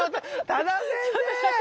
多田先生！